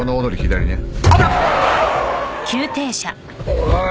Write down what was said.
おい。